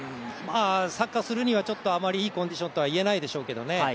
サッカーするにはあまりいいコンディションとはいえないでしょうけどね。